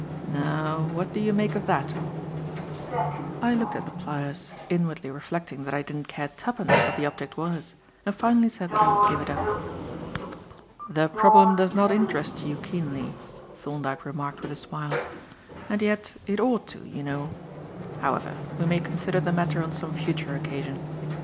Now, what do you make of that?" I looked at the pliers, inwardly reflecting that I didn't care twopence what the object was, and finally said that I would give it up. "The problem does not interest you keenly," Thorndyke remarked with a smile; "and yet it ought to, you know. However, we may consider the matter on some future occasion.